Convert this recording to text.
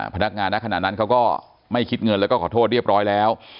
พนักงานในขณะนั้นเขาก็ไม่คิดเงินแล้วก็ขอโทษเรียบร้อยแล้ว